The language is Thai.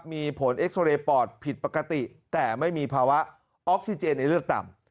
มีผลเอ็กซอเรย์ปอดผิดปกติแต่ไม่มีภาวะออกซิเจนในเลือดต่ำ